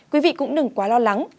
quý vị cũng đừng quá lo lắng